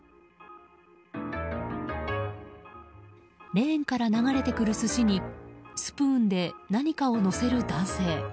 レーンから流れてくる寿司にスプーンで何かをのせる男性。